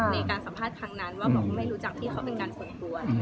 ในการสัมภาษณ์ครั้งนั้นว่าบอกว่าไม่รู้จักพี่เขาเป็นการส่วนตัว